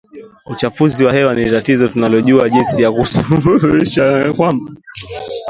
uchafuzi wa hewa ni tatizo tunalojua jinsi ya kusuhulisha na kwamba